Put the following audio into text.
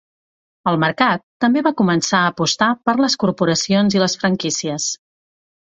El mercat també va començar a apostar per les corporacions i les franquícies.